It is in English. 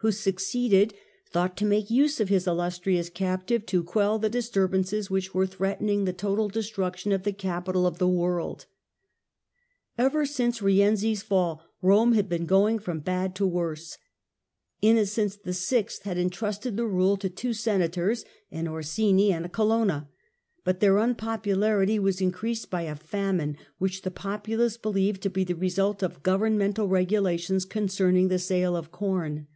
who succeeded, thought to make use of his illustrious captive to quell the disturbances which were threatening the total destruction of the capital of the world, state of Ever since Eienzi's fall, Rome had been going from fall of bad to worse. Innocent VI. had entrusted the rule to ^16"=^' two Senators, an Orsini and a Colonna, but their un popularity was increased by a famine which the popu lace believed to be the result of governmental regulations concerning the sale of corn.